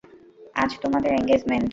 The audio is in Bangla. আজ তোমাদের এনগেজমেন্ট।